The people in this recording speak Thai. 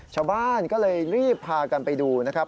ชาวบ้านก็เลยรีบพากันไปดูนะครับ